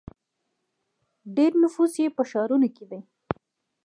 ډیری نفوس یې په ښارونو کې دی.